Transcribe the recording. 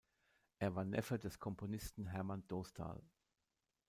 Er war Neffe des Komponisten Hermann Dostal.